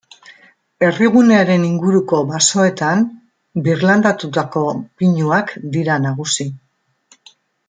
Herrigunearen inguruko basoetan, birlandatutako pinuak dira nagusi.